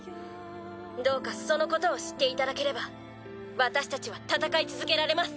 どうかそのことを知っていただければ私たちは戦い続けられます。